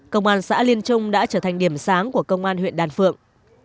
công an xã liên trung đã trở thành điểm sáng của công an huyện đàn phượng